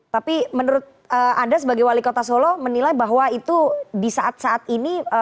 tapi menurut anda sebagai wali kota solo menilai bahwa itu di saat saat ini